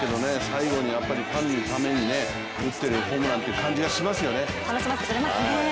最後にやっぱりファンのために打っているホームランって感じがしますよね。